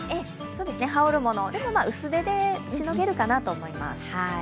羽織るもの、でも薄手でしのげるかなと思います。